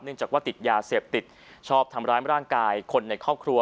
จากว่าติดยาเสพติดชอบทำร้ายร่างกายคนในครอบครัว